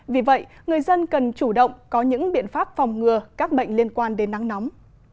vì vậy người dân cần chủ động có những biện pháp phòng ngừa các bệnh liên quan đến nắng nóng